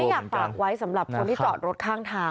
อยากฝากไว้สำหรับคนที่จอดรถข้างทาง